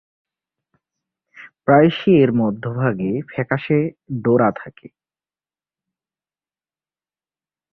প্রায়শ:ই এর মধ্যভাগে ফ্যাকাশে ডোরা থাকে।